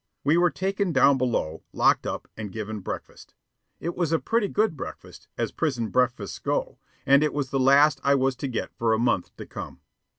We were taken down below, locked up, and given breakfast. It was a pretty good breakfast, as prison breakfasts go, and it was the best I was to get for a month to come.